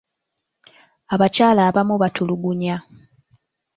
Abakyala abamu batulugunya.